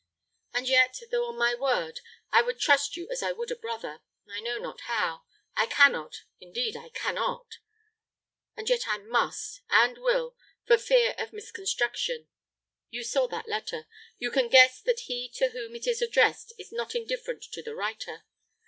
And yet, though on my word, I would trust you as I would a brother, I know not how I cannot, indeed I cannot. And yet I must, and will, for fear of misconstruction. You saw that letter. You can guess that he to whom it is addressed is not indifferent to the writer.